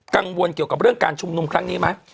กังวลเกี่ยวกับเรื่องการชุมนุมครั้งนี้ไหม